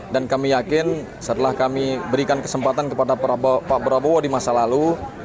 dan kami yakin setelah kami berikan kesempatan kepada pak prabowo di masa lalu